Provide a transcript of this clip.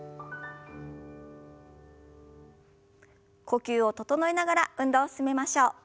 呼吸を整えながら運動を進めましょう。